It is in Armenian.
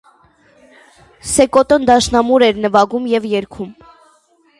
Սեկոտոն դաշնամուր էր նվագում և երգում։